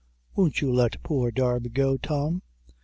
Won't you let poor Darby go, Tom?"